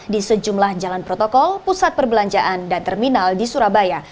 di sejumlah jalan protokol pusat perbelanjaan dan terminal di surabaya